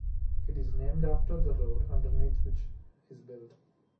It is named after the road underneath which is built.